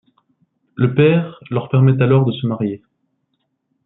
Le père leur permet alors de se marier.